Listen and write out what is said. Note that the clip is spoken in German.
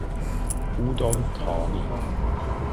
Udon Thani